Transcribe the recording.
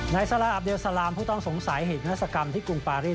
นายซาลาอับเลสลามผู้ต้องสงสัยเหตุนาศกรรมที่กรุงปารีส